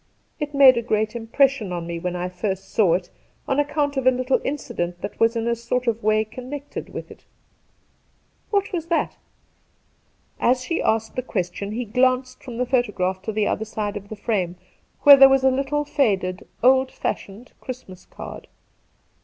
It made a great impression on me when I first saw it on account of a little incident that was m a sort of way connected with it.' ' What was that ?'' As she asked the question he glanced from the Two Christmas Days 203 photograph to the other side of the frame, where there was a little faded, old fashioned Christmas card.